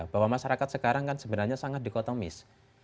bahwa masyarakat sekarang kan sebenarnya sangat dikotomis